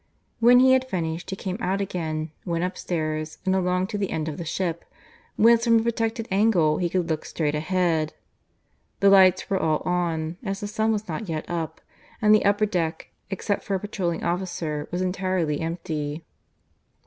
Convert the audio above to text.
When he had finished he came out again, went upstairs, and along to the end of the ship, whence from a protected angle he could look straight ahead. The lights were all on, as the sun was not yet up, and the upper deck, except for a patrolling officer, was entirely empty.